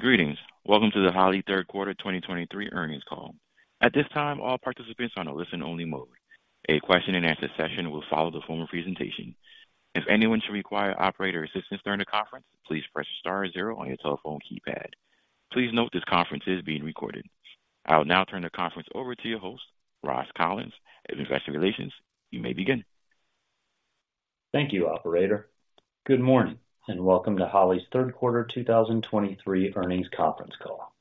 Greetings. Welcome to the Holley third quarter 2023 earnings call. At this time, all participants are on a listen-only mode. A question and answer session will follow the formal presentation. If anyone should require operator assistance during the conference, please press star zero on your telephone keypad. Please note this conference is being recorded. I will now turn the conference over to your host, Ross Collins, Investor Relations. You may begin. Thank you, operator. Good morning, and welcome to Holley's third quarter 2023 earnings conference call.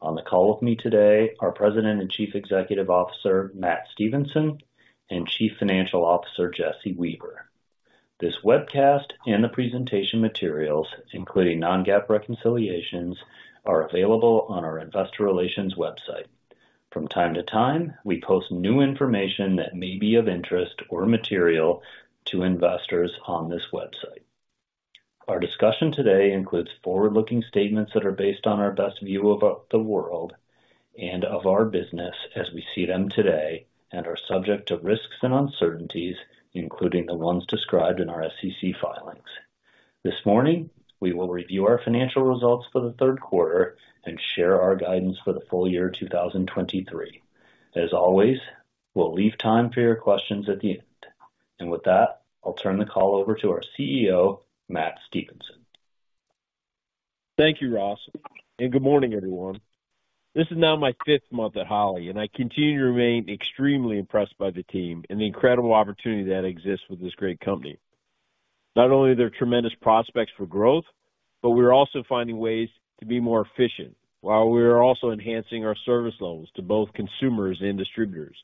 On the call with me today are President and Chief Executive Officer, Matt Stevenson, and Chief Financial Officer, Jesse Weaver. This webcast and the presentation materials, including non-GAAP reconciliations, are available on our investor relations website. From time to time, we post new information that may be of interest or material to investors on this website. Our discussion today includes forward-looking statements that are based on our best view of the world and of our business as we see them today, and are subject to risks and uncertainties, including the ones described in our SEC filings. This morning, we will review our financial results for the third quarter and share our guidance for the full year 2023. As always, we'll leave time for your questions at the end. With that, I'll turn the call over to our CEO, Matt Stevenson. Thank you, Ross, and good morning, everyone. This is now my fifth month at Holley, and I continue to remain extremely impressed by the team and the incredible opportunity that exists with this great company. Not only are there tremendous prospects for growth, but we are also finding ways to be more efficient while we are also enhancing our service levels to both consumers and distributors.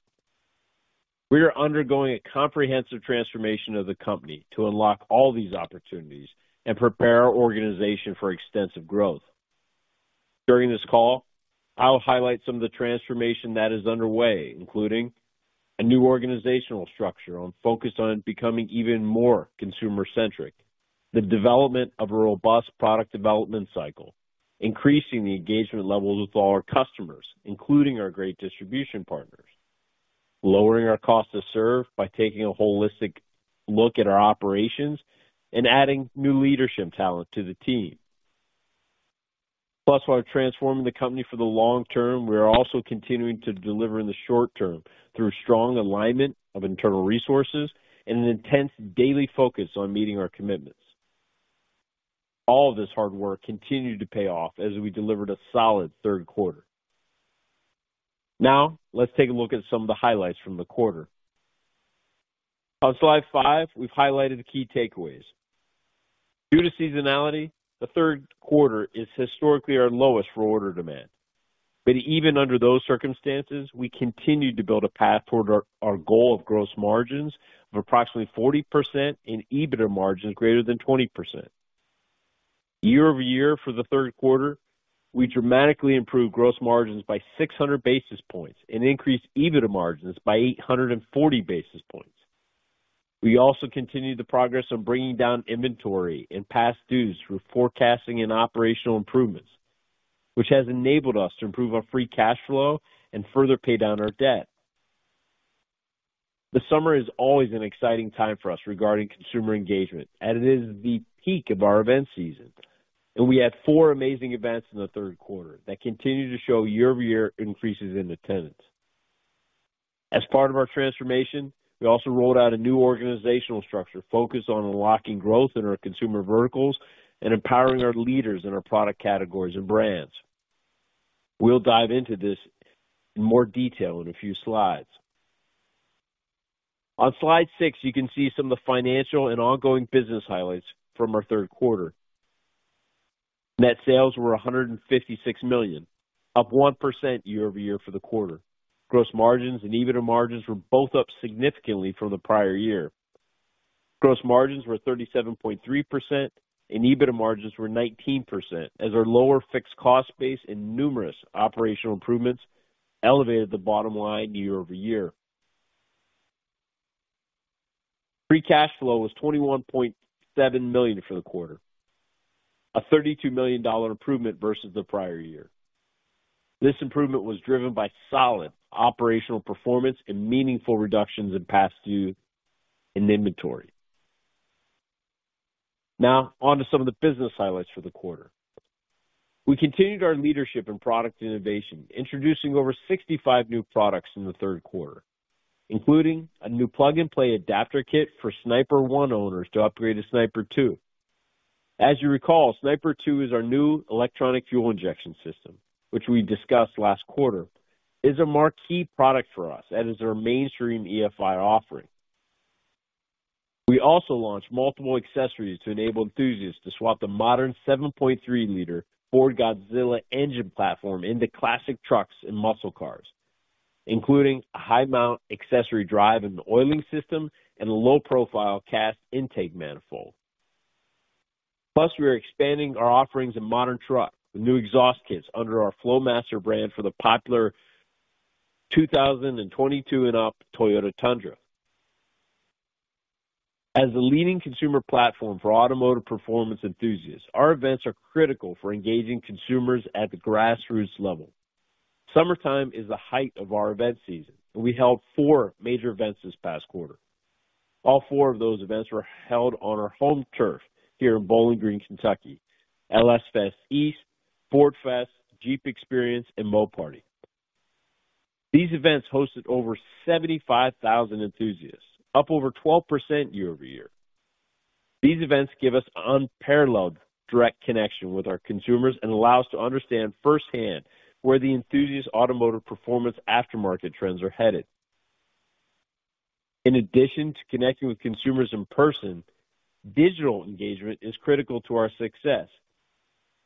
We are undergoing a comprehensive transformation of the company to unlock all these opportunities and prepare our organization for extensive growth. During this call, I will highlight some of the transformation that is underway, including a new organizational structure and focus on becoming even more consumer-centric, the development of a robust product development cycle, increasing the engagement levels with all our customers, including our great distribution partners, lowering our cost to serve by taking a holistic look at our operations and adding new leadership talent to the team. Plus, while transforming the company for the long term, we are also continuing to deliver in the short term through strong alignment of internal resources and an intense daily focus on meeting our commitments. All of this hard work continued to pay off as we delivered a solid third quarter. Now, let's take a look at some of the highlights from the quarter. On slide five, we've highlighted the key takeaways. Due to seasonality, the third quarter is historically our lowest for order demand. Even under those circumstances, we continued to build a path toward our goal of gross margins of approximately 40% and EBITDA margins greater than 20%. Year-over-year for the third quarter, we dramatically improved gross margins by 600 basis points and increased EBITDA margins by 840 basis points. We also continued the progress of bringing down inventory and past dues through forecasting and operational improvements, which has enabled us to improve our free cash flow and further pay down our debt. The summer is always an exciting time for us regarding consumer engagement, as it is the peak of our event season, and we had four amazing events in the third quarter that continued to show year-over-year increases in attendance. As part of our transformation, we also rolled out a new organizational structure focused on unlocking growth in our consumer verticals and empowering our leaders in our product categories and brands. We'll dive into this in more detail in a few slides. On slide six, you can see some of the financial and ongoing business highlights from our third quarter. Net sales were $156 million, up 1% year-over-year for the quarter. Gross margins and EBITDA margins were both up significantly from the prior year. Gross margins were 37.3% and EBITDA margins were 19%, as our lower fixed cost base and numerous operational improvements elevated the bottom line year-over-year. Free cash flow was $21.7 million for the quarter, a $32 million improvement versus the prior year. This improvement was driven by solid operational performance and meaningful reductions in past due and inventory. Now, on to some of the business highlights for the quarter. We continued our leadership in product innovation, introducing over 65 new products in the third quarter, including a new plug-and-play adapter kit for Sniper 1 owners to upgrade to Sniper 2. As you recall, Sniper 2 is our new electronic fuel injection system, which we discussed last quarter. It is a marquee product for us as it's our mainstream EFI offering. We also launched multiple accessories to enable enthusiasts to swap the modern 7.3-liter Ford Godzilla engine platform into classic trucks and muscle cars, including a high-mount accessory drive and oiling system and a low-profile cast intake manifold. Plus, we are expanding our offerings in modern trucks with new exhaust kits under our Flowmaster brand for the popular 2022 and up Toyota Tundra. As the leading consumer platform for automotive performance enthusiasts, our events are critical for engaging consumers at the grassroots level. Summertime is the height of our event season, and we held four major events this past quarter. All four of those events were held on our home turf here in Bowling Green, Kentucky: LS Fest East, Ford Fest, Jeep Experience, and MoParty. These events hosted over 75,000 enthusiasts, up over 12% year-over-year. These events give us unparalleled direct connection with our consumers and allow us to understand firsthand where the enthusiast automotive performance aftermarket trends are headed. In addition to connecting with consumers in person, digital engagement is critical to our success,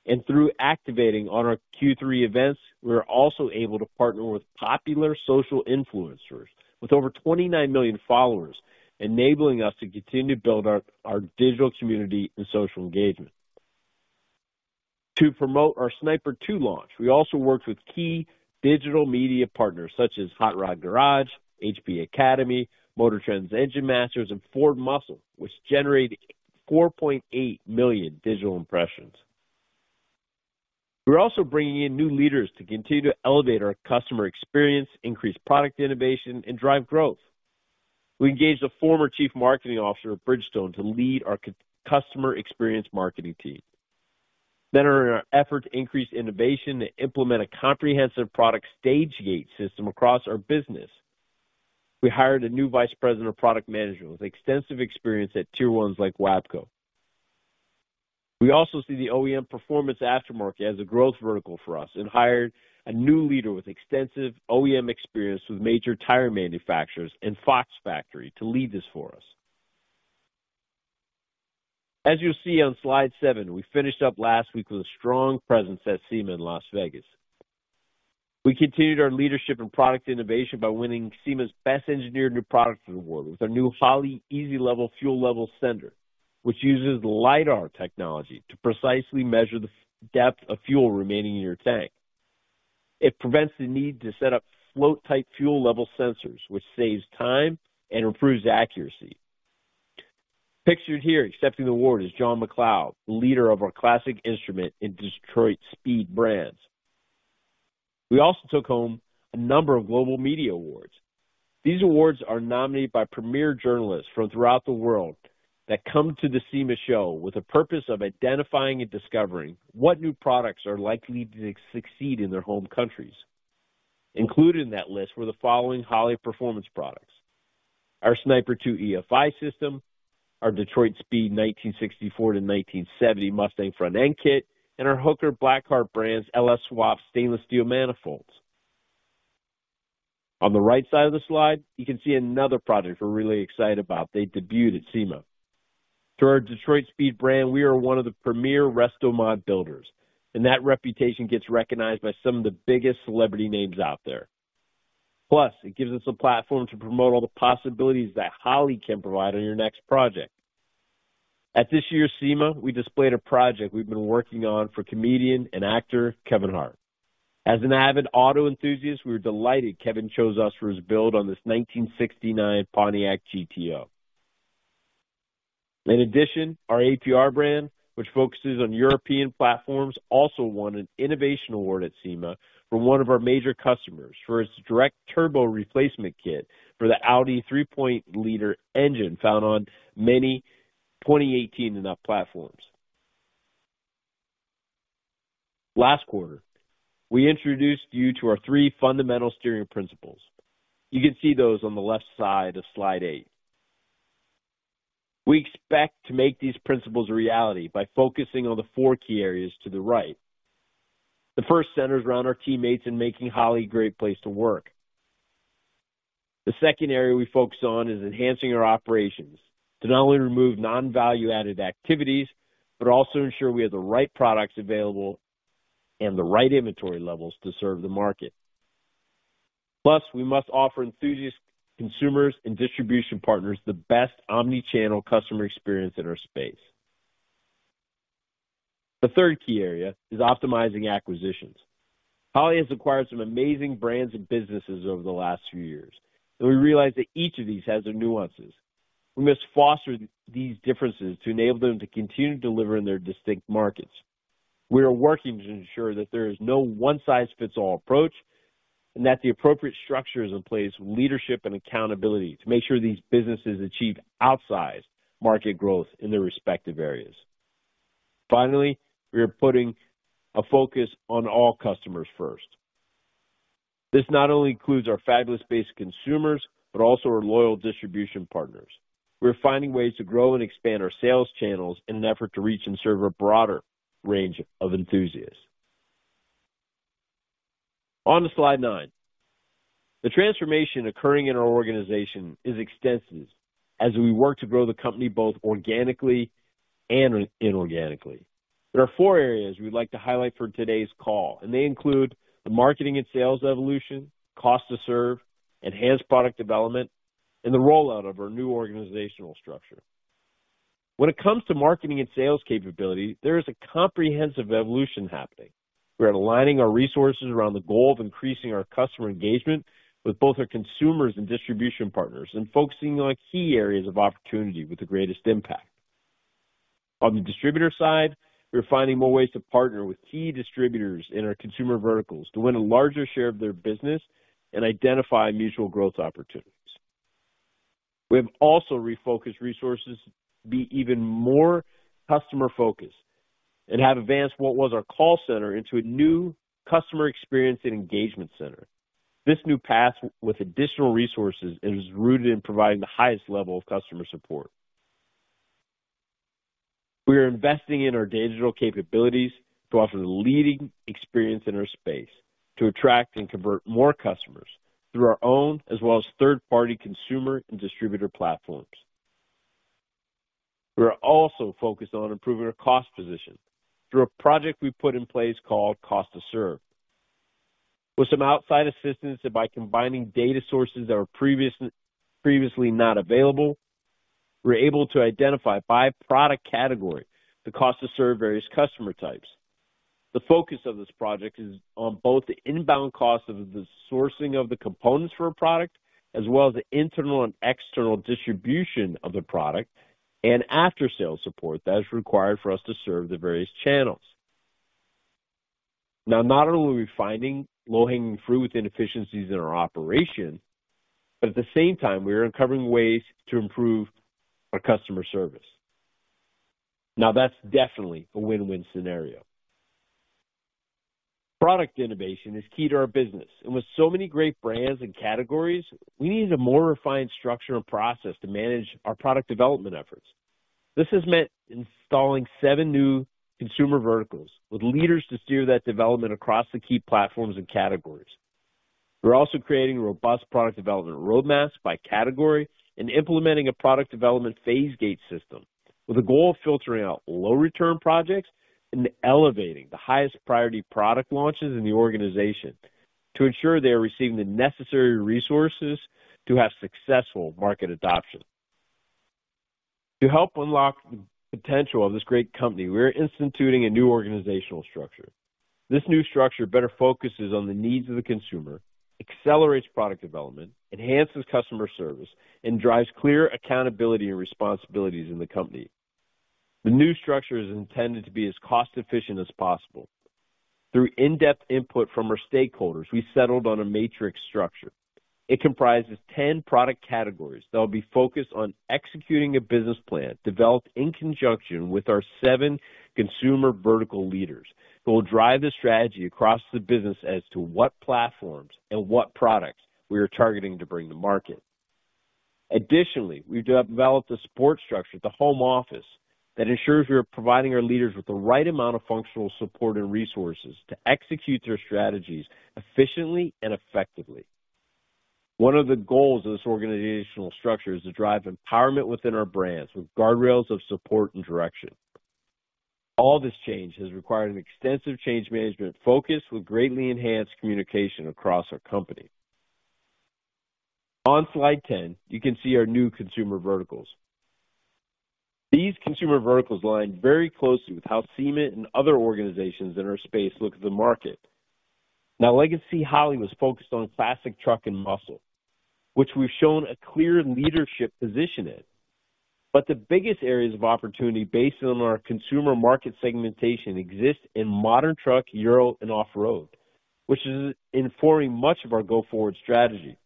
and through activating on our Q3 events, we are also able to partner with popular social influencers with over 29 million followers, enabling us to continue to build our digital community and social engagement. To promote our Sniper 2 launch, we also worked with key digital media partners such as Hot Rod Garage, HP Academy, MotorTrend's Engine Masters, and Ford Muscle, which generated 4.8 million digital impressions. We're also bringing in new leaders to continue to elevate our customer experience, increase product innovation, and drive growth. We engaged a former chief marketing officer of Bridgestone to lead our customer experience marketing team. Then, in our effort to increase innovation and implement a comprehensive product stage gate system across our business, we hired a new vice president of product management with extensive experience at Tier 1s like WABCO. We also see the OEM performance aftermarket as a growth vertical for us and hired a new leader with extensive OEM experience with major tire manufacturers and Fox Factory to lead this for us. As you'll see on slide seven, we finished up last week with a strong presence at SEMA in Las Vegas. We continued our leadership in product innovation by winning SEMA's Best Engineered New Products award with our new Holley Easy Level Fuel Level Sensor, which uses LIDAR technology to precisely measure the depth of fuel remaining in your tank. It prevents the need to set up float-type fuel level sensors, which saves time and improves accuracy. Pictured here accepting the award is John McLeod, the leader of our Classic Instruments and Detroit Speed brands. We also took home a number of global media awards. These awards are nominated by premier journalists from throughout the world that come to the SEMA show with the purpose of identifying and discovering what new products are likely to succeed in their home countries. Included in that list were the following Holley Performance Products: Our Sniper 2 EFI system, our Detroit Speed 1964-1970 Mustang front end kit, and our Hooker BlackHeart brand's LS Swap stainless steel manifolds. On the right side of the slide, you can see another project we're really excited about that debuted at SEMA. Through our Detroit Speed brand, we are one of the premier restomod builders, and that reputation gets recognized by some of the biggest celebrity names out there. It gives us a platform to promote all the possibilities that Holley can provide on your next project. At this year's SEMA, we displayed a project we've been working on for comedian and actor Kevin Hart. As an avid auto enthusiast, we were delighted Kevin chose us for his build on this 1969 Pontiac GTO. In addition, our APR brand, which focuses on European platforms, also won an innovation award at SEMA from one of our major customers for its direct turbo replacement kit for the Audi 3.0-liter engine found on many 2018 and up platforms. Last quarter, we introduced you to our three fundamental steering principles. You can see those on the left side of slide eight. We expect to make these principles a reality by focusing on the four key areas to the right. The first centers around our teammates in making Holley a great place to work. The second area we focus on is enhancing our operations, to not only remove non-value-added activities, but also ensure we have the right products available and the right inventory levels to serve the market. Plus, we must offer enthusiast consumers and distribution partners the best omni-channel customer experience in our space. The third key area is optimizing acquisitions. Holley has acquired some amazing brands and businesses over the last few years, and we realize that each of these has their nuances. We must foster these differences to enable them to continue to deliver in their distinct markets. We are working to ensure that there is no one-size-fits-all approach and that the appropriate structure is in place with leadership and accountability to make sure these businesses achieve outsized market growth in their respective areas. Finally, we are putting a focus on all customers first. This not only includes our fabulous base consumers, but also our loyal distribution partners. We're finding ways to grow and expand our sales channels in an effort to reach and serve a broader range of enthusiasts. On to slide nine. The transformation occurring in our organization is extensive as we work to grow the company both organically and inorganically. There are four areas we'd like to highlight for today's call, and they include the marketing and sales evolution, cost to serve, enhanced product development, and the rollout of our new organizational structure. When it comes to marketing and sales capability, there is a comprehensive evolution happening. We are aligning our resources around the goal of increasing our customer engagement with both our consumers and distribution partners, and focusing on key areas of opportunity with the greatest impact. On the distributor side, we're finding more ways to partner with key distributors in our consumer verticals to win a larger share of their business and identify mutual growth opportunities. We have also refocused resources to be even more customer-focused and have advanced what was our call center into a new customer experience and engagement center. This new path, with additional resources, is rooted in providing the highest level of customer support. We are investing in our digital capabilities to offer the leading experience in our space, to attract and convert more customers through our own, as well as third-party consumer and distributor platforms. We are also focused on improving our cost position through a project we put in place called Cost to Serve. With some outside assistance, and by combining data sources that were previously not available, we're able to identify by product category the cost to serve various customer types. The focus of this project is on both the inbound cost of the sourcing of the components for a product, as well as the internal and external distribution of the product and after-sales support that is required for us to serve the various channels. Now, not only are we finding low-hanging fruit with inefficiencies in our operation, but at the same time, we are uncovering ways to improve our customer service. Now, that's definitely a win-win scenario. Product innovation is key to our business, and with so many great brands and categories, we need a more refined structure and process to manage our product development efforts. This has meant installing seven new consumer verticals, with leaders to steer that development across the key platforms and categories. We're also creating a robust product development roadmap by category and implementing a product development phase gate system, with a goal of filtering out low-return projects and elevating the highest priority product launches in the organization, to ensure they are receiving the necessary resources to have successful market adoption. To help unlock the potential of this great company, we are instituting a new organizational structure. This new structure better focuses on the needs of the consumer, accelerates product development, enhances customer service, and drives clear accountability and responsibilities in the company. The new structure is intended to be as cost-efficient as possible. Through in-depth input from our stakeholders, we settled on a matrix structure. It comprises 10 product categories that will be focused on executing a business plan developed in conjunction with our seven consumer vertical leaders, who will drive the strategy across the business as to what platforms and what products we are targeting to bring to market. Additionally, we've developed a support structure at the home office that ensures we are providing our leaders with the right amount of functional support and resources to execute their strategies efficiently and effectively. One of the goals of this organizational structure is to drive empowerment within our brands, with guardrails of support and direction. All this change has required an extensive change management focus, with greatly enhanced communication across our company. On slide 10, you can see our new consumer verticals. These consumer verticals align very closely with how SEMA and other organizations in our space look at the market. Now, Legacy Holley was focused on classic truck and muscle, which we've shown a clear leadership position in. But the biggest areas of opportunity based on our consumer market segmentation exist in modern truck, Euro, and off-road, which is informing much of our go-forward strategy.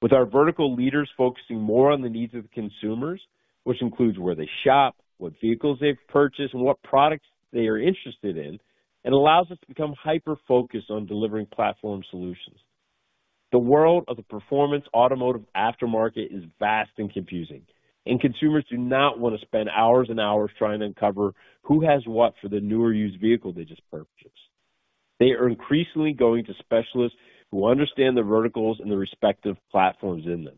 With our vertical leaders focusing more on the needs of consumers, which includes where they shop, what vehicles they've purchased, and what products they are interested in, it allows us to become hyper-focused on delivering platform solutions. The world of the performance automotive aftermarket is vast and confusing, and consumers do not want to spend hours and hours trying to uncover who has what for the new or used vehicle they just purchased. They are increasingly going to specialists who understand the verticals and the respective platforms in them.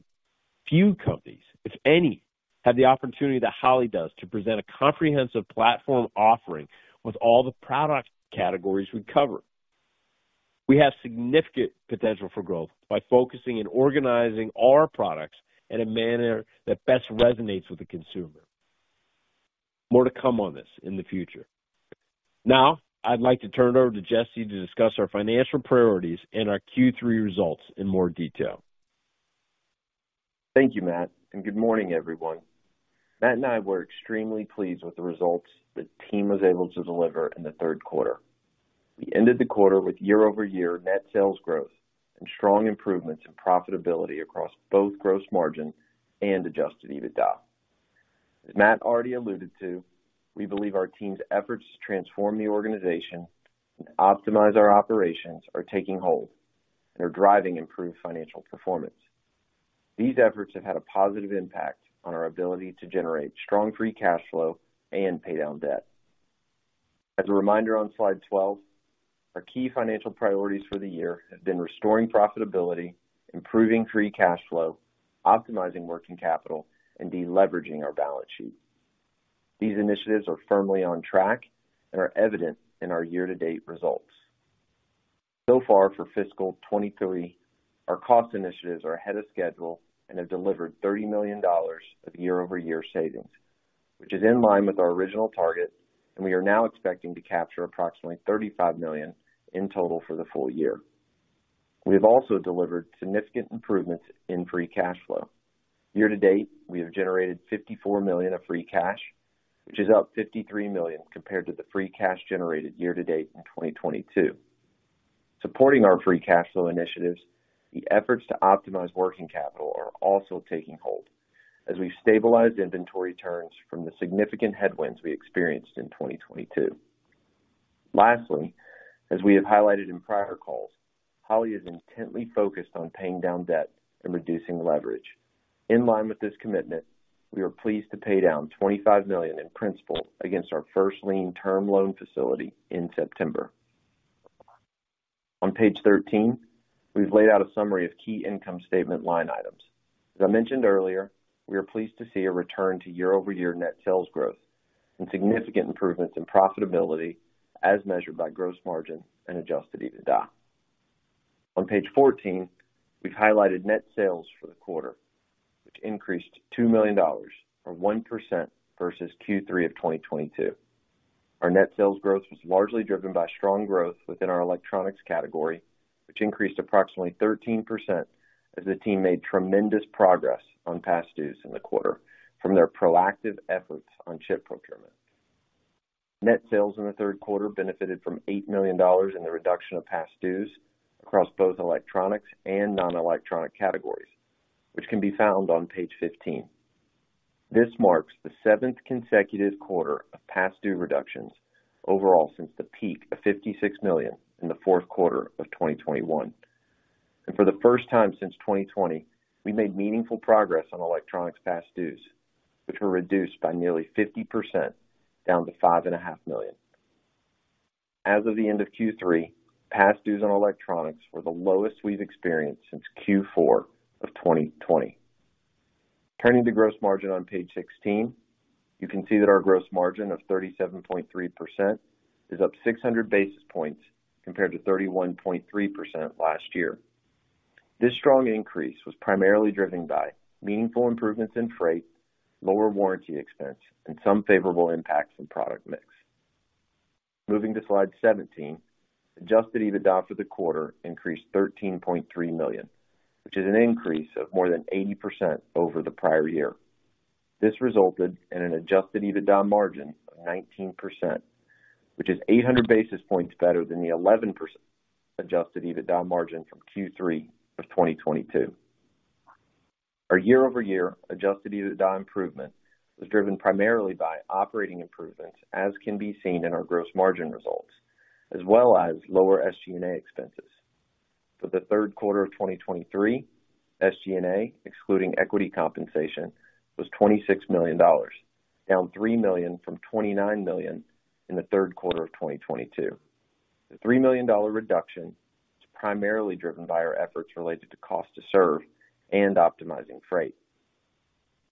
Few companies, if any, have the opportunity that Holley does to present a comprehensive platform offering with all the product categories we cover. We have significant potential for growth by focusing and organizing our products in a manner that best resonates with the consumer. More to come on this in the future. Now, I'd like to turn it over to Jesse to discuss our financial priorities and our Q3 results in more detail. Thank you, Matt, and good morning, everyone. Matt and I were extremely pleased with the results the team was able to deliver in the third quarter. We ended the quarter with year-over-year net sales growth and strong improvements in profitability across both gross margin and adjusted EBITDA. As Matt already alluded to, we believe our team's efforts to transform the organization and optimize our operations are taking hold and are driving improved financial performance. These efforts have had a positive impact on our ability to generate strong free cash flow and pay down debt. As a reminder, on slide 12, our key financial priorities for the year have been restoring profitability, improving free cash flow, optimizing working capital, and deleveraging our balance sheet. These initiatives are firmly on track and are evident in our year-to-date results. So far for fiscal 2023, our cost initiatives are ahead of schedule and have delivered $30 million of year-over-year savings, which is in line with our original target, and we are now expecting to capture approximately $35 million in total for the full year. We've also delivered significant improvements in free cash flow. Year to date, we have generated $54 million of free cash, which is up $53 million compared to the free cash generated year to date in 2022. Supporting our free cash flow initiatives, the efforts to optimize working capital are also taking hold as we've stabilized inventory turns from the significant headwinds we experienced in 2022. Lastly, as we have highlighted in prior calls, Holley is intently focused on paying down debt and reducing leverage. In line with this commitment, we are pleased to pay down $25 million in principal against our first lien term loan facility in September. On page 13, we've laid out a summary of key income statement line items. As I mentioned earlier, we are pleased to see a return to year-over-year net sales growth and significant improvements in profitability as measured by gross margin and adjusted EBITDA. On page 14, we've highlighted net sales for the quarter, which increased $2 million, or 1% versus Q3 of 2022. Our net sales growth was largely driven by strong growth within our electronics category, which increased approximately 13% as the team made tremendous progress on past dues in the quarter from their proactive efforts on chip procurement. Net sales in the third quarter benefited from $8 million in the reduction of past dues across both electronics and non-electronic categories, which can be found on page 15. This marks the seventh consecutive quarter of past due reductions overall since the peak of $56 million in the fourth quarter of 2021. For the first time since 2020, we made meaningful progress on electronics past dues, which were reduced by nearly 50%, down to $5.5 million. As of the end of Q3, past dues on electronics were the lowest we've experienced since Q4 of 2020. Turning to gross margin on page 16, you can see that our gross margin of 37.3% is up 600 basis points compared to 31.3% last year. This strong increase was primarily driven by meaningful improvements in freight, lower warranty expense, and some favorable impacts from product mix. Moving to slide 17, adjusted EBITDA for the quarter increased $13.3 million, which is an increase of more than 80% over the prior year. This resulted in an adjusted EBITDA margin of 19%, which is 800 basis points better than the 11% adjusted EBITDA margin from Q3 of 2022. Our year-over-year adjusted EBITDA improvement was driven primarily by operating improvements, as can be seen in our gross margin results, as well as lower SG&A expenses. For the third quarter of 2023, SG&A, excluding equity compensation, was $26 million, down $3 million from $29 million in the third quarter of 2022. The $3 million reduction is primarily driven by our efforts related to cost to serve and optimizing freight.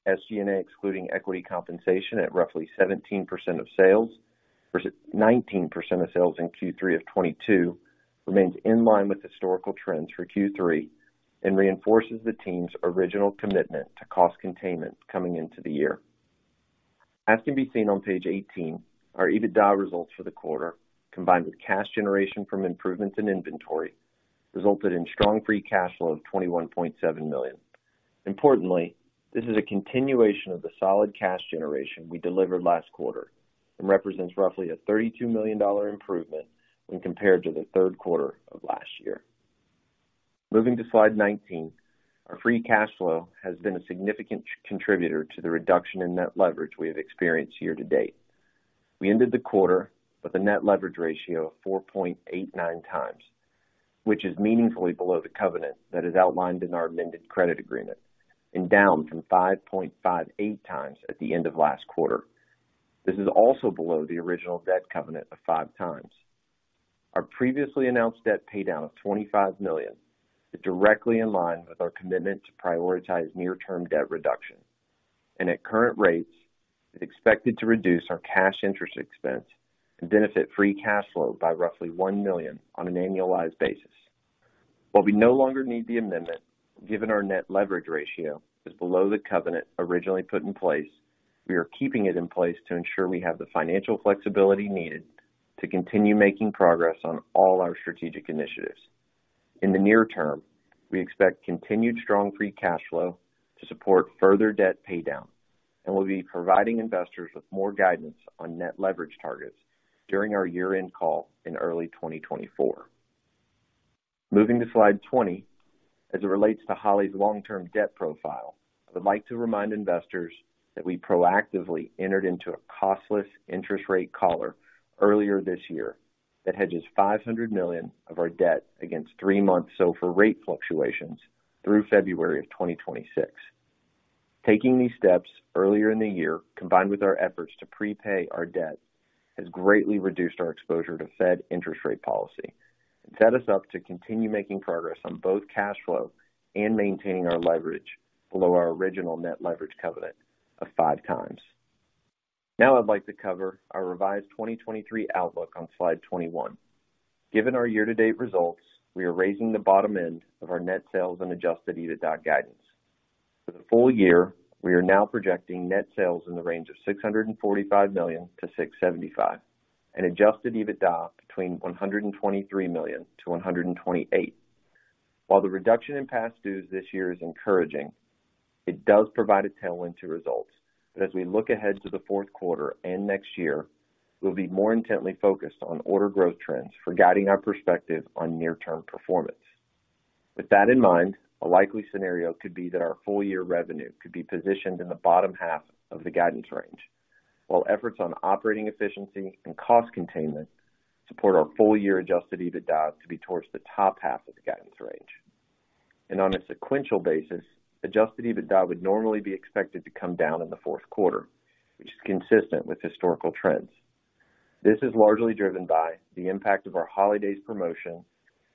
SG&A, excluding equity compensation at roughly 17% of sales, versus 19% of sales in Q3 of 2022, remains in line with historical trends for Q3 and reinforces the team's original commitment to cost containment coming into the year. As can be seen on page 18, our EBITDA results for the quarter, combined with cash generation from improvements in inventory, resulted in strong free cash flow of $21.7 million. Importantly, this is a continuation of the solid cash generation we delivered last quarter and represents roughly a $32 million improvement when compared to the third quarter of last year. Moving to slide 19. Our free cash flow has been a significant contributor to the reduction in net leverage we have experienced year to date. We ended the quarter with a Net Leverage Ratio of 4.89 times, which is meaningfully below the covenant that is outlined in our amended credit agreement, and down from 5.58 times at the end of last quarter. This is also below the original debt covenant of five times. Our previously announced debt paydown of $25 million is directly in line with our commitment to prioritize near-term debt reduction, and at current rates, is expected to reduce our cash interest expense and benefit free cash flow by roughly $1 million on an annualized basis. While we no longer need the amendment, given our Net Leverage Ratio is below the covenant originally put in place, we are keeping it in place to ensure we have the financial flexibility needed to continue making progress on all our strategic initiatives. In the near term, we expect continued strong free cash flow to support further debt paydown, and we'll be providing investors with more guidance on net leverage targets during our year-end call in early 2024. Moving to slide 20. As it relates to Holley's long-term debt profile, I would like to remind investors that we proactively entered into a costless interest rate collar earlier this year, that hedges $500 million of our debt against three months SOFR rate fluctuations through February of 2026. Taking these steps earlier in the year, combined with our efforts to prepay our debt, has greatly reduced our exposure to Fed interest rate policy and set us up to continue making progress on both cash flow and maintaining our leverage below our original net leverage covenant of 5x. Now I'd like to cover our revised 2023 outlook on slide 21. Given our year-to-date results, we are raising the bottom end of our net sales and adjusted EBITDA guidance. For the full year, we are now projecting net sales in the range of $645 million-$675 million, and adjusted EBITDA between $123 million-$128 million. While the reduction in past dues this year is encouraging, it does provide a tailwind to results. But as we look ahead to the fourth quarter and next year, we'll be more intently focused on order growth trends for guiding our perspective on near-term performance. With that in mind, a likely scenario could be that our full year revenue could be positioned in the bottom half of the guidance range, while efforts on operating efficiency and cost containment support our full year adjusted EBITDA to be towards the top half of the guidance range. On a sequential basis, adjusted EBITDA would normally be expected to come down in the fourth quarter, which is consistent with historical trends. This is largely driven by the impact of our holidays promotion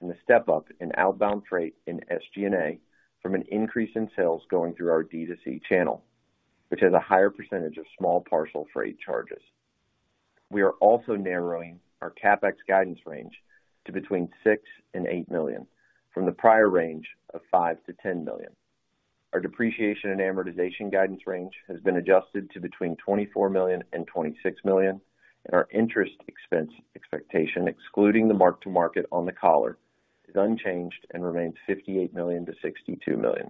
and the step up in outbound freight in SG&A from an increase in sales going through our D2C channel, which has a higher percentage of small parcel freight charges. We are also narrowing our CapEx guidance range to between $6 million and $8 million, from the prior range of $5 million-$10 million. Our depreciation and amortization guidance range has been adjusted to between $24 million and $26 million, and our interest expense expectation, excluding the mark-to-market on the collar, is unchanged and remains $58 million-$62 million.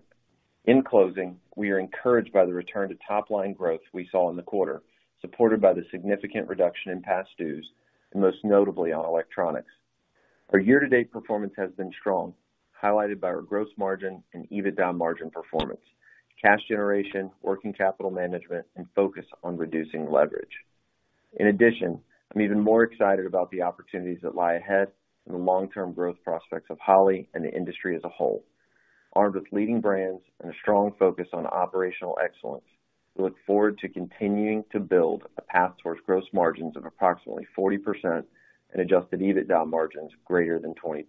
In closing, we are encouraged by the return to top line growth we saw in the quarter, supported by the significant reduction in past dues, and most notably on electronics. Our year-to-date performance has been strong, highlighted by our gross margin and EBITDA margin performance, cash generation, working capital management, and focus on reducing leverage. In addition, I'm even more excited about the opportunities that lie ahead and the long-term growth prospects of Holley and the industry as a whole. Armed with leading brands and a strong focus on operational excellence, we look forward to continuing to build a path towards gross margins of approximately 40% and adjusted EBITDA margins greater than 20%.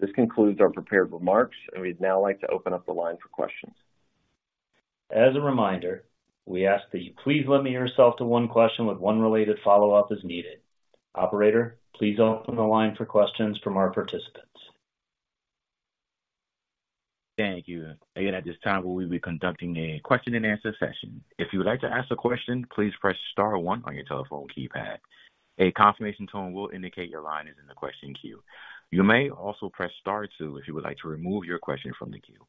This concludes our prepared remarks, and we'd now like to open up the line for questions. As a reminder, we ask that you please limit yourself to one question with one related follow-up as needed. Operator, please open the line for questions from our participants. Thank you. Again, at this time, we will be conducting a question-and-answer session. If you would like to ask a question, please press star one on your telephone keypad. A confirmation tone will indicate your line is in the question queue. You may also press star two if you would like to remove your question from the queue.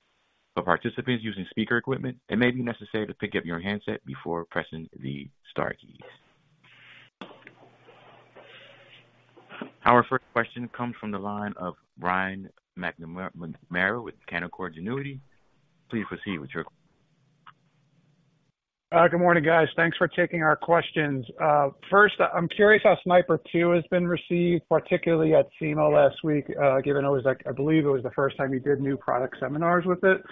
For participants using speaker equipment, it may be necessary to pick up your handset before pressing the star keys. Our first question comes from the line of Brian McNamara with Canaccord Genuity. Please proceed with your question. Good morning, guys. Thanks for taking our questions. First, I'm curious how Sniper 2has been received, particularly at SEMA last week, given it was like, I believe it was the first time you did new product seminars with it.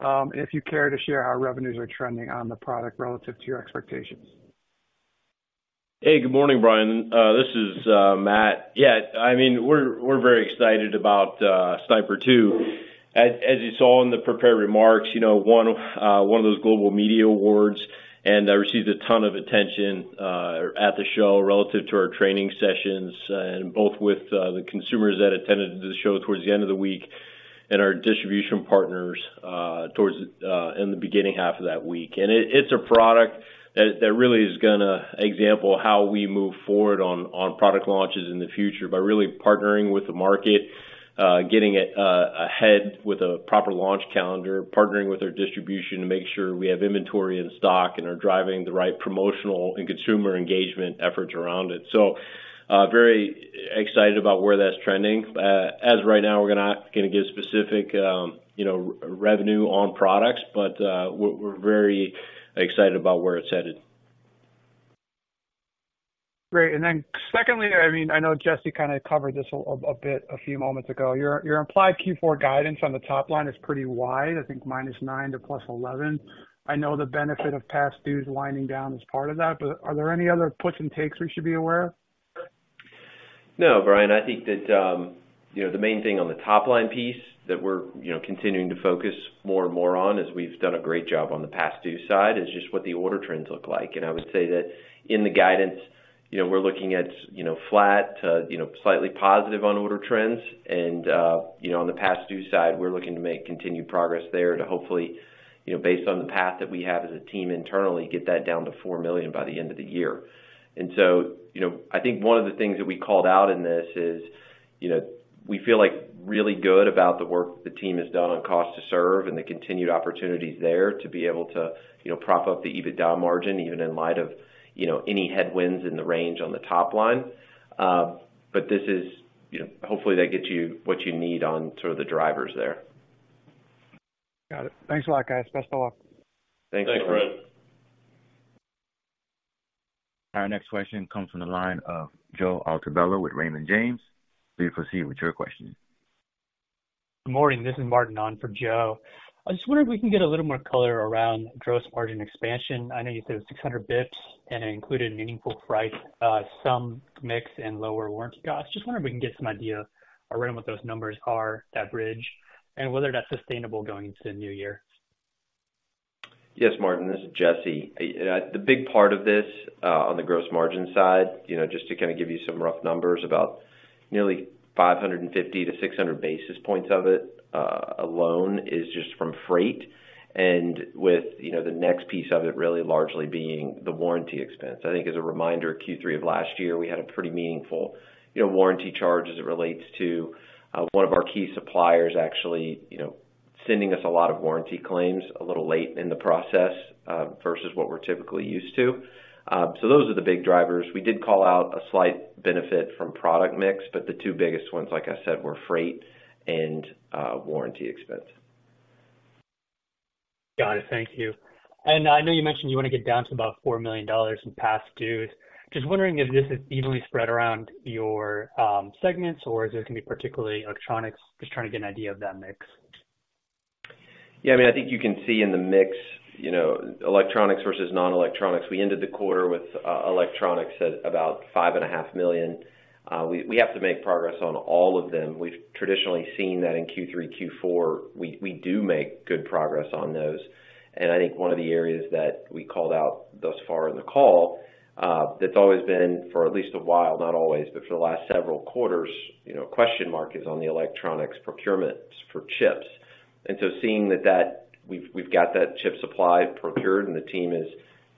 And if you care to share how revenues are trending on the product relative to your expectations. Hey, good morning, Brian. This is Matt. Yeah, I mean, we're very excited about Sniper 2. As you saw in the prepared remarks, you know, won one of those global media awards, and it received a ton of attention at the show relative to our training sessions, and both with the consumers that attended the show towards the end of the week and our distribution partners towards in the beginning half of that week. It's a product that really is gonna example how we move forward on product launches in the future by really partnering with the market, getting it ahead with a proper launch calendar, partnering with our distribution to make sure we have inventory in stock and are driving the right promotional and consumer engagement efforts around it. So, very excited about where that's trending. As of right now, we're not gonna give specific, you know, revenue on products, but, we're, we're very excited about where it's headed. Great. And then secondly, I mean, I know Jesse kind of covered this a bit a few moments ago. Your, your implied Q4 guidance on the top line is pretty wide, I think -9% to +11%. I know the benefit of past dues winding down is part of that, but are there any other puts and takes we should be aware of? No, Brian, I think that, you know, the main thing on the top line piece that we're, you know, continuing to focus more and more on, is we've done a great job on the past due side, is just what the order trends look like. And I would say that in the guidance, you know, we're looking at, you know, flat to, you know, slightly positive on order trends. And, you know, on the past due side, we're looking to make continued progress there to hopefully, you know, based on the path that we have as a team internally, get that down to $4 million by the end of the year. And so, you know, I think one of the things that we called out in this is, you know, we feel, like, really good about the work the team has done on cost to serve and the continued opportunities there to be able to, you know, prop up the EBITDA margin, even in light of, you know, any headwinds in the range on the top line. But this is, you know, hopefully, that gets you what you need on sort of the drivers there. Got it. Thanks a lot, guys. Best of luck. Thanks, Brian. Our next question comes from the line of Joe Altobello with Raymond James. Please proceed with your question. Good morning, this is Martin on for Joe. I just wondered if we can get a little more color around gross margin expansion. I know you said 600 basis points, and it included a meaningful price, some mix and lower warranty costs. Just wondering if we can get some idea around what those numbers are, that bridge, and whether that's sustainable going into the new year?... Yes, Martin, this is Jesse. The big part of this, on the gross margin side, you know, just to kind of give you some rough numbers, about nearly 550 to 600 basis points of it alone is just from freight. And with, you know, the next piece of it really largely being the warranty expense. I think as a reminder, Q3 of last year, we had a pretty meaningful, you know, warranty charge as it relates to one of our key suppliers actually, you know, sending us a lot of warranty claims a little late in the process versus what we're typically used to. So those are the big drivers. We did call out a slight benefit from product mix, but the two biggest ones, like I said, were freight and warranty expense. Got it. Thank you. And I know you mentioned you want to get down to about $4 million in past dues. Just wondering if this is evenly spread around your segments, or is it going to be particularly electronics? Just trying to get an idea of that mix. Yeah, I mean, I think you can see in the mix, you know, electronics versus non-electronics, we ended the quarter with electronics at about $5.5 million. We have to make progress on all of them. We've traditionally seen that in Q3, Q4, we do make good progress on those. And I think one of the areas that we called out thus far in the call, that's always been for at least a while, not always, but for the last several quarters, you know, question mark, is on the electronics procurements for chips. Seeing that we've got that chip supply procured and the team is,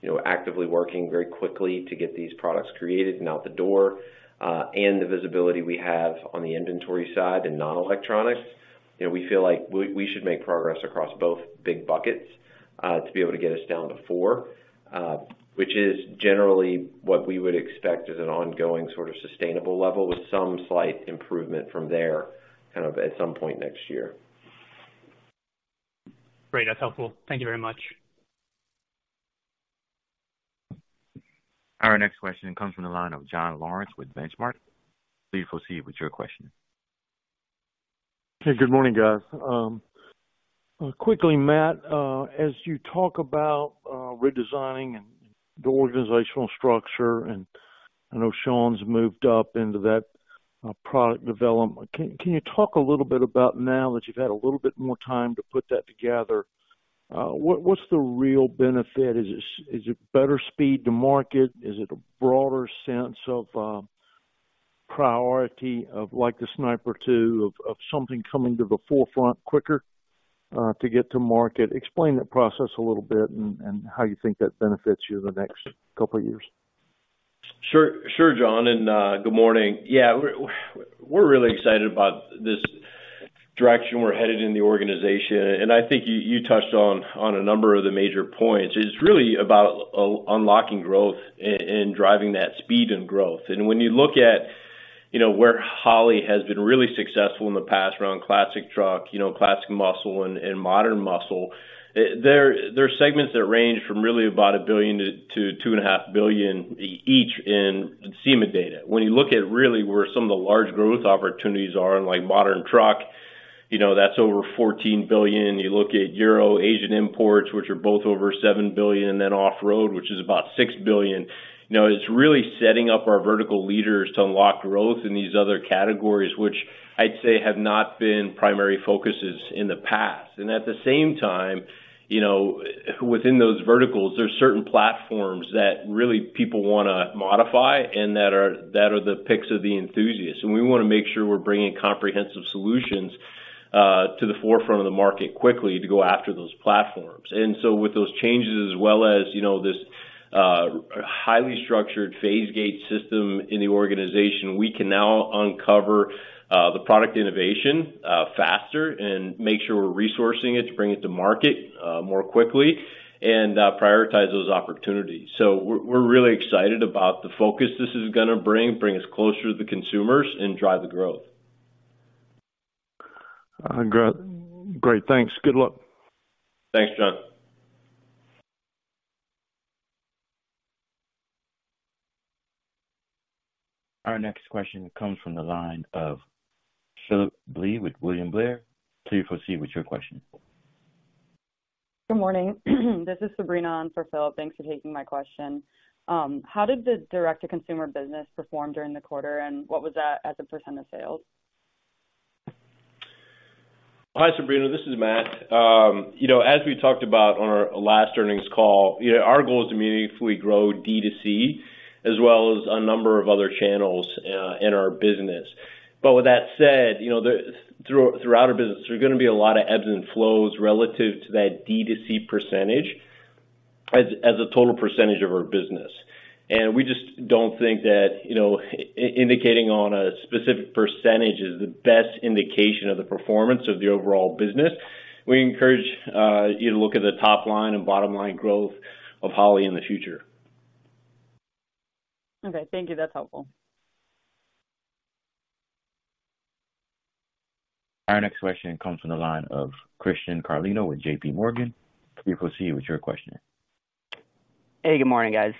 you know, actively working very quickly to get these products created and out the door, and the visibility we have on the inventory side in non-electronics, you know, we feel like we should make progress across both big buckets to be able to get us down to four, which is generally what we would expect as an ongoing sort of sustainable level with some slight improvement from there, kind of, at some point next year. Great. That's helpful. Thank you very much. Our next question comes from the line of John Lawrence with Benchmark. Please proceed with your question. Hey, good morning, guys. Quickly, Matt, as you talk about redesigning and the organizational structure, and I know Sean's moved up into that product development, can you talk a little bit about now that you've had a little bit more time to put that together, what's the real benefit? Is it better speed to market? Is it a broader sense of priority of like the Sniper 2, of something coming to the forefront quicker to get to market? Explain that process a little bit and how you think that benefits you in the next couple of years. Sure. Sure, John, and good morning. Yeah, we're, we're really excited about this direction we're headed in the organization, and I think you, you touched on, on a number of the major points. It's really about unlocking growth and, and driving that speed and growth. And when you look at, you know, where Holley has been really successful in the past around classic truck, you know, classic muscle and, and modern muscle, there, there are segments that range from really about $1 billion-$2.5 billion each in SEMA data. When you look at really where some of the large growth opportunities are in, like, modern truck, you know, that's over $14 billion. You look at Euro, Asian imports, which are both over $7 billion, and then off-road, which is about $6 billion. You know, it's really setting up our vertical leaders to unlock growth in these other categories, which I'd say have not been primary focuses in the past. At the same time, you know, within those verticals, there's certain platforms that really people wanna modify and that are, that are the picks of the enthusiasts, and we wanna make sure we're bringing comprehensive solutions to the forefront of the market quickly to go after those platforms. With those changes, as well as, you know, this highly structured phase gate system in the organization, we can now uncover the product innovation faster and make sure we're resourcing it to bring it to market more quickly and prioritize those opportunities. We're, we're really excited about the focus this is gonna bring us closer to the consumers and drive the growth. Great. Great, thanks. Good luck. Thanks, John. Our next question comes from the line of Phillip Blee with William Blair. Please proceed with your question. Good morning. This is Sabrina in for Philip. Thanks for taking my question. How did the direct-to-consumer business perform during the quarter, and what was that as a percent of sales? Hi, Sabrina, this is Matt. You know, as we talked about on our last earnings call, you know, our goal is to meaningfully grow D2C as well as a number of other channels in our business. But with that said, you know, throughout our business, there's gonna be a lot of ebbs and flows relative to that D2C percentage as a total percentage of our business. And we just don't think that, you know, indicating on a specific percentage is the best indication of the performance of the overall business. We encourage you to look at the top line and bottom-line growth of Holley in the future. Okay. Thank you. That's helpful. Our next question comes from the line of Christian Carlino with JP Morgan. Please proceed with your question. Hey, good morning, guys.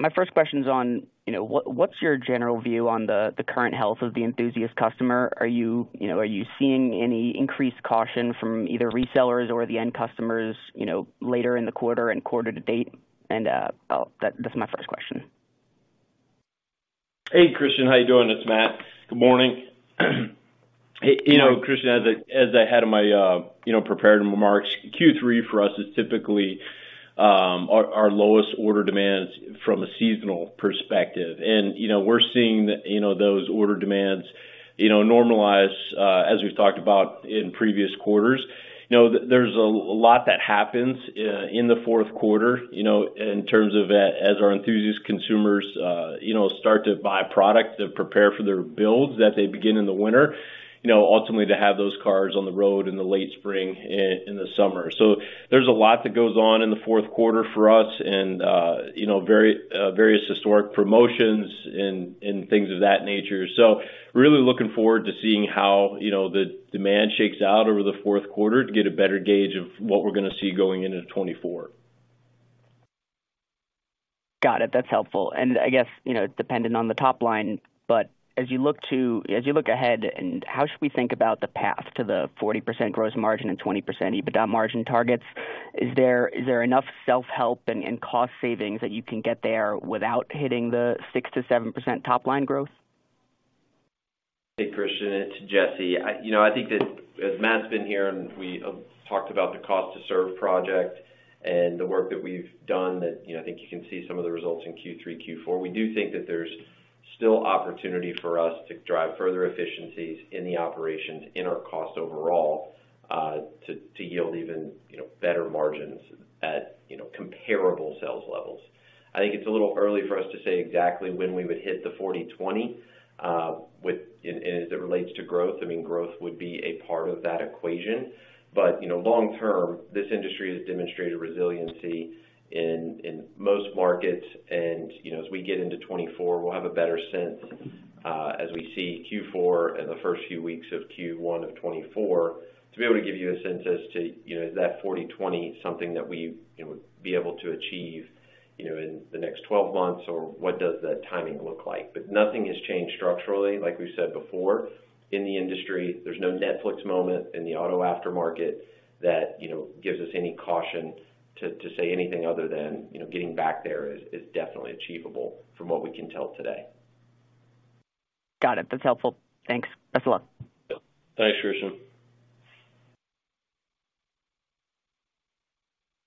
My first question is on, you know, what, what's your general view on the current health of the enthusiast customer? Are you, you know, seeing any increased caution from either resellers or the end customers, you know, later in the quarter and quarter to date? And, well, that's my first question. Hey, Christian, how you doing? It's Matt. Good morning. You know, Christian, as I had in my, you know, prepared remarks, Q3 for us is typically our lowest order demands from a seasonal perspective. And, you know, we're seeing, you know, those order demands, you know, normalize as we've talked about in previous quarters. You know, there's a lot that happens in the fourth quarter, you know, in terms of as our enthusiast consumers, you know, start to buy product to prepare for their builds that they begin in the winter, you know, ultimately, to have those cars on the road in the late spring and in the summer. So there's a lot that goes on in the fourth quarter for us and, you know, very various historic promotions and things of that nature. So really looking forward to seeing how, you know, the demand shakes out over the fourth quarter to get a better gauge of what we're gonna see going into 2024. Got it. That's helpful. I guess, you know, dependent on the top line, but as you look ahead, how should we think about the path to the 40% gross margin and 20% EBITDA margin targets? Is there enough self-help and cost savings that you can get there without hitting the 6% to 7% top line growth? Hey, Christian, it's Jesse. You know, I think that as Matt's been here, and we talked about the cost to serve project and the work that we've done, that, you know, I think you can see some of the results in Q3, Q4. We do think that there's still opportunity for us to drive further efficiencies in the operations, in our cost overall, to yield even, you know, better margins at, you know, comparable sales levels. I think it's a little early for us to say exactly when we would hit the 40/20, and as it relates to growth, I mean, growth would be a part of that equation. But, you know, long term, this industry has demonstrated resiliency in most markets, and, you know, as we get into 2024, we'll have a better sense as we see Q4 and the first few weeks of Q1 of 2024, to be able to give you a sense as to, you know, is that 40/20 something that we, you know, be able to achieve, you know, in the next 12 months, or what does that timing look like? But nothing has changed structurally, like we've said before, in the industry. There's no Netflix moment in the auto aftermarket that, you know, gives us any caution to say anything other than, you know, getting back there is definitely achievable from what we can tell today. Got it. That's helpful. Thanks, guys. Bye. Thanks, Christian.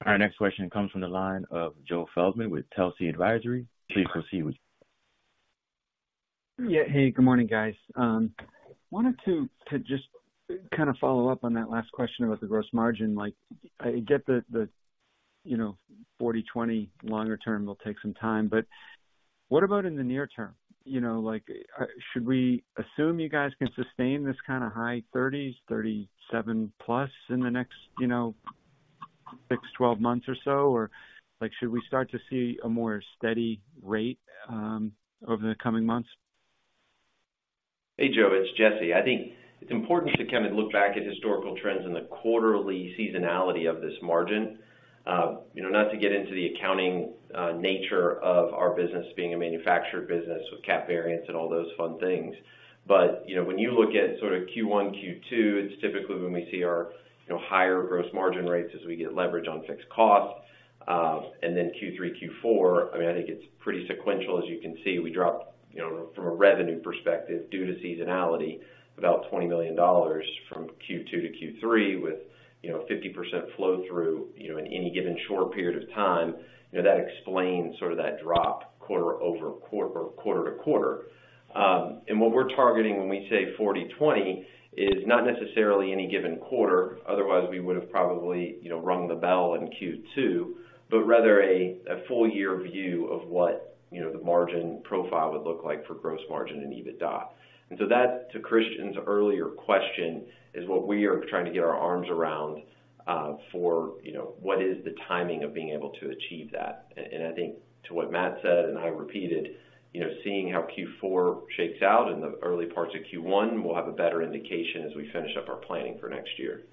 Our next question comes from the line of Joe Feldman with Telsey Advisory. Please proceed with- Yeah. Hey, good morning, guys. Wanted to just kind of follow up on that last question about the gross margin. Like, I get the, you know, 40/20 longer term will take some time, but what about in the near term? You know, like, should we assume you guys can sustain this kind of high 30s, 37+ in the next, you know, 6-12 months or so? Or, like, should we start to see a more steady rate over the coming months? Hey, Joe, it's Jesse. I think it's important to kind of look back at historical trends and the quarterly seasonality of this margin. You know, not to get into the accounting nature of our business being a manufactured business with cap variance and all those fun things, but, you know, when you look at sort of Q1, Q2, it's typically when we see our, you know, higher gross margin rates as we get leverage on fixed costs. And then Q3, Q4, I mean, I think it's pretty sequential. As you can see, we dropped, you know, from a revenue perspective due to seasonality, about $20 million from Q2 to Q3, with, you know, 50% flow through, you know, in any given short period of time. You know, that explains sort of that drop quarter-over-quarter or quarter to quarter. And what we're targeting when we say 40/20, is not necessarily any given quarter, otherwise we would have probably, you know, rung the bell in Q2, but rather a full year view of what, you know, the margin profile would look like for gross margin and EBITDA. And so that, to Christian's earlier question, is what we are trying to get our arms around, for, you know, what is the timing of being able to achieve that. And I think to what Matt said, and I repeated, you know, seeing how Q4 shakes out in the early parts of Q1, we'll have a better indication as we finish up our planning for next year.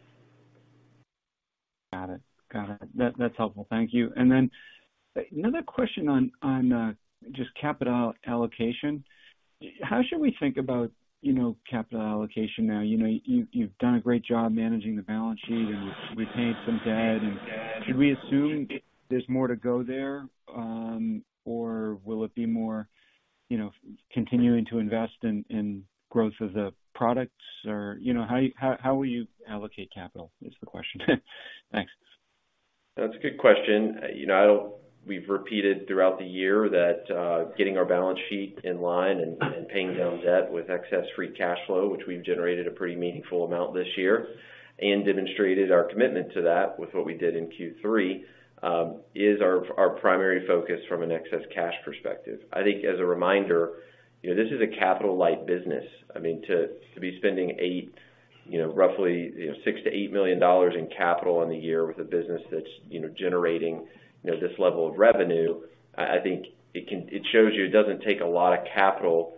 Got it. Got it. That's helpful. Thank you. And then another question on just capital allocation. How should we think about, you know, capital allocation now? You know, you've done a great job managing the balance sheet, and you've retained some debt. And should we assume there's more to go there, or will it be more, you know, continuing to invest in growth of the products? Or, you know, how will you allocate capital, is the question? Thanks. That's a good question. You know, we've repeated throughout the year that getting our balance sheet in line and, and paying down debt with excess free cash flow, which we've generated a pretty meaningful amount this year and demonstrated our commitment to that with what we did in Q3, is our, our primary focus from an excess cash perspective. I think as a reminder, you know, this is a capital light business. I mean, to, to be spending eight, you know, roughly, you know, $6 million-$8 million in capital in a year with a business that's, you know, generating, you know, this level of revenue, I, I think it shows you it doesn't take a lot of capital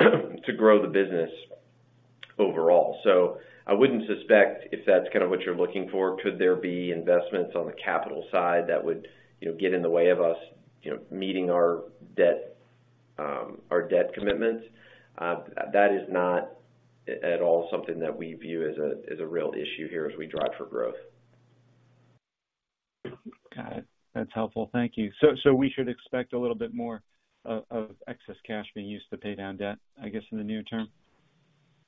to grow the business overall. So I wouldn't suspect if that's kind of what you're looking for, could there be investments on the capital side that would, you know, get in the way of us, you know, meeting our debt, our debt commitments? That is not at all something that we view as a real issue here as we drive for growth.... Got it. That's helpful. Thank you. So, so we should expect a little bit more of, of excess cash being used to pay down debt, I guess, in the near term?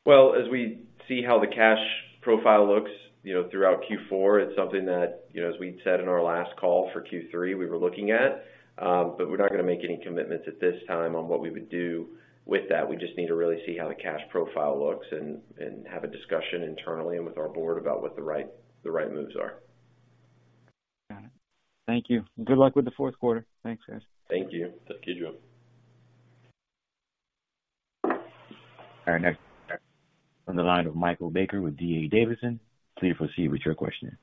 Well, as we see how the cash profile looks, you know, throughout Q4, it's something that, you know, as we'd said in our last call for Q3, we were looking at, but we're not gonna make any commitments at this time on what we would do with that. We just need to really see how the cash profile looks and have a discussion internally and with our board about what the right, the right moves are. Got it. Thank you. Good luck with the fourth quarter. Thanks, guys. Thank you. Thank you, Joe. Our next on the line with Michael Baker with D.A. Davidson, please proceed with your question.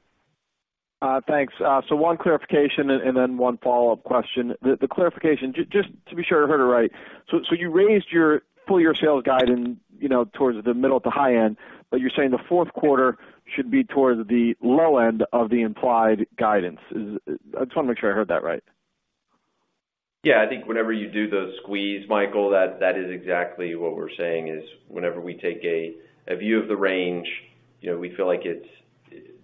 Thanks. So one clarification and then one follow-up question. The clarification, just to be sure I heard it right, so you raised your full year sales guide and, you know, towards the middle to high end, but you're saying the fourth quarter should be towards the low end of the implied guidance. Is—I just wanna make sure I heard that right. Yeah, I think whenever you do the squeeze, Michael, that, that is exactly what we're saying, is whenever we take a, a view of the range, you know, we feel like it's,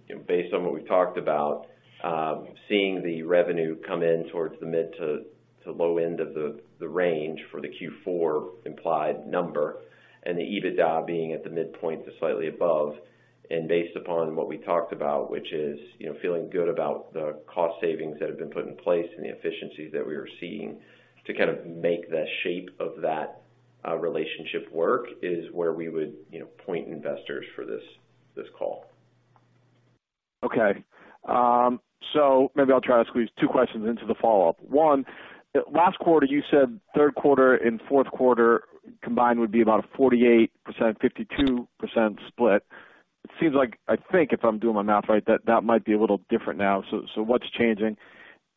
you know, based on what we've talked about, seeing the revenue come in towards the mid to, to low end of the, the range for the Q4 implied number, and the EBITDA being at the midpoint to slightly above, and based upon what we talked about, which is, you know, feeling good about the cost savings that have been put in place and the efficiencies that we are seeing to kind of make the shape of that, relationship work, is where we would, you know, point investors for this, this call. Okay. So maybe I'll try to squeeze two questions into the follow-up. One, last quarter, you said third quarter and fourth quarter combined would be about a 48%, 52% split. It seems like, I think if I'm doing my math right, that that might be a little different now. So, what's changing?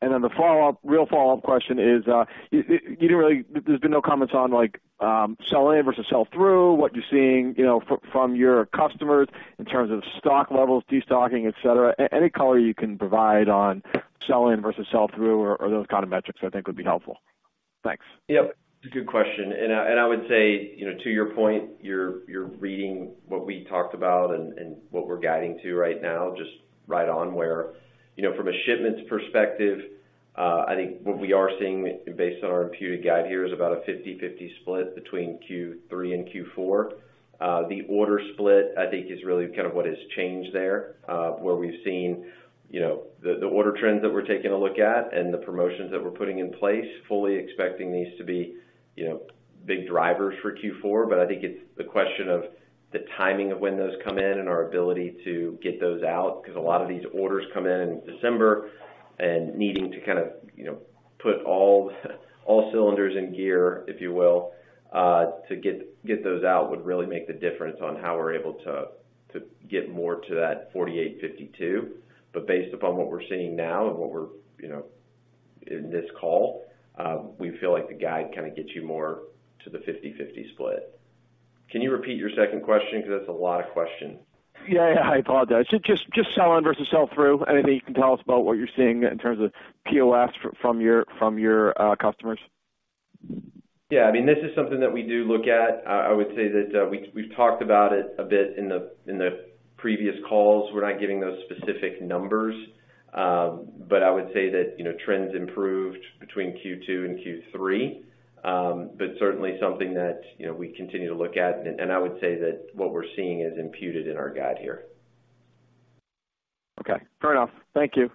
And then the follow-up, real follow-up question is, you didn't really-- there's been no comments on like, sell-in versus sell-through, what you're seeing, you know, from your customers in terms of stock levels, destocking, et cetera. Any color you can provide on sell-in versus sell-through or, or those kind of metrics I think would be helpful. Thanks. Yep, good question. And I would say, you know, to your point, you're reading what we talked about and what we're guiding to right now, just right on where, you know, from a shipments perspective, I think what we are seeing based on our imputed guide here is about a 50/50 split between Q3 and Q4. The order split, I think, is really kind of what has changed there, where we've seen, you know, the order trends that we're taking a look at and the promotions that we're putting in place, fully expecting these to be, you know, big drivers for Q4. But I think it's the question of the timing of when those come in and our ability to get those out, 'cause a lot of these orders come in in December, and needing to kind of, you know, put all, all cylinders in gear, if you will, to get, get those out, would really make the difference on how we're able to, to get more to that 48, 52. But based upon what we're seeing now and what we're... you know, in this call, we feel like the guide kind of gets you more to the 50/50 split. Can you repeat your second question? Because that's a lot of question. Yeah, yeah, I apologize. Just, just, just sell-in versus sell-through. Anything you can tell us about what you're seeing in terms of POS from your, from your, customers? Yeah, I mean, this is something that we do look at. I would say that we've talked about it a bit in the previous calls. We're not giving those specific numbers, but I would say that, you know, trends improved between Q2 and Q3. But certainly something that, you know, we continue to look at, and I would say that what we're seeing is imputed in our guide here. Okay, fair enough. Thank you.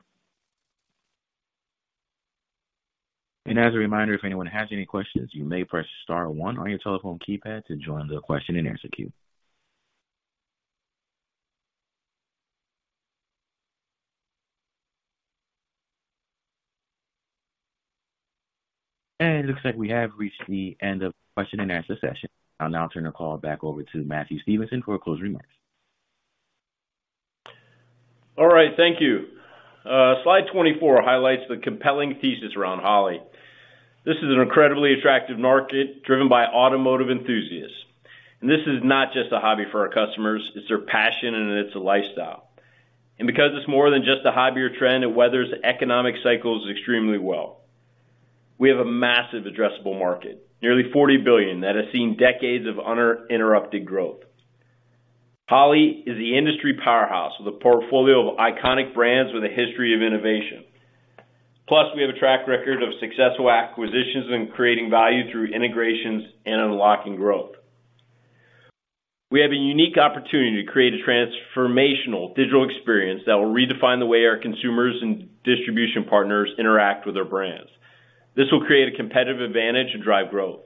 As a reminder, if anyone has any questions, you may press star one on your telephone keypad to join the question and answer queue. It looks like we have reached the end of the question and answer session. I'll now turn the call back over to Matthew Stevenson for closing remarks. All right. Thank you. Slide 24 highlights the compelling thesis around Holley. This is an incredibly attractive market, driven by automotive enthusiasts. And this is not just a hobby for our customers, it's their passion, and it's a lifestyle. And because it's more than just a hobby or trend, it weathers economic cycles extremely well. We have a massive addressable market, nearly $40 billion, that has seen decades of uninterrupted growth. Holley is the industry powerhouse with a portfolio of iconic brands with a history of innovation. Plus, we have a track record of successful acquisitions and creating value through integrations and unlocking growth. We have a unique opportunity to create a transformational digital experience that will redefine the way our consumers and distribution partners interact with our brands. This will create a competitive advantage and drive growth.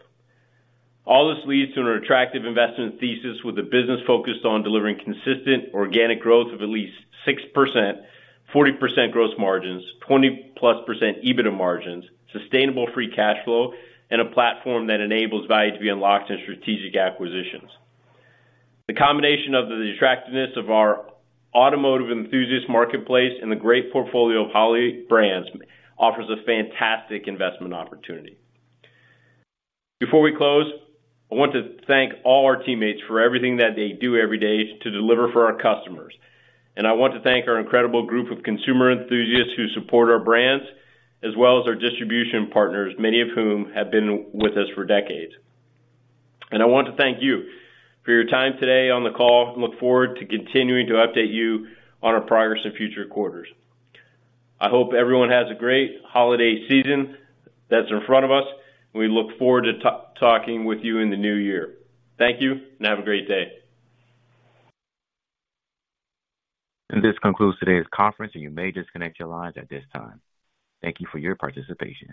All this leads to an attractive investment thesis with a business focused on delivering consistent organic growth of at least 6%, 40% gross margins, 20%+ EBITDA margins, sustainable free cash flow, and a platform that enables value to be unlocked in strategic acquisitions. The combination of the attractiveness of our automotive enthusiast marketplace and the great portfolio of Holley brands offers a fantastic investment opportunity. Before we close, I want to thank all our teammates for everything that they do every day to deliver for our customers. And I want to thank our incredible group of consumer enthusiasts who support our brands, as well as our distribution partners, many of whom have been with us for decades. And I want to thank you for your time today on the call and look forward to continuing to update you on our progress in future quarters. I hope everyone has a great holiday season that's in front of us, and we look forward to talking with you in the new year. Thank you, and have a great day. This concludes today's conference, and you may disconnect your lines at this time. Thank you for your participation.